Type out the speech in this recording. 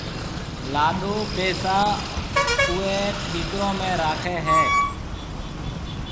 لاڏو پيسا اوئيَ ٺِڪرون ۾ راکيَ ھيََََ